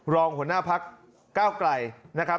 รองหัวหน้าภักดิ์เก้าไกรนะครับ